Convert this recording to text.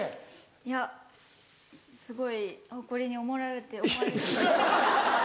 いやすごい誇りに思われて。